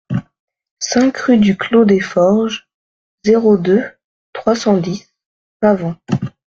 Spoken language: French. cinq rue du Clos des Forges, zéro deux, trois cent dix, Pavant